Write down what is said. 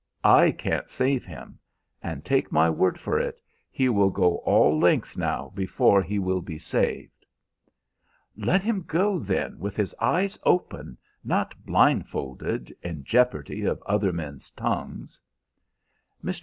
I can't save him. And take my word for it, he will go all lengths now before he will be saved." "Let him go, then, with his eyes open, not blindfold, in jeopardy of other men's tongues." Mr.